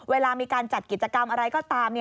เวลามีการจัดกิจกรรมอะไรก็ตาม